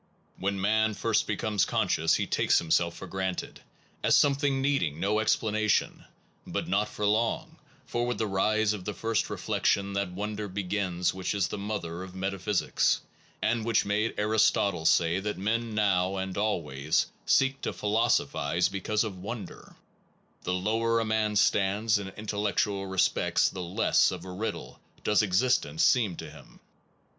When man first becomes con scious, he takes himself for granted, as some thing needing no explanation. But not for long; for, with the rise of the first reflection, Scho en that wonder begins which is the iiaueron mother of metaphysics, and which the origin of the made Aristotle say that men now and always seek to philosophize because of wonder The lower a man stands in intellectual respects the less of a riddle does existence seem to him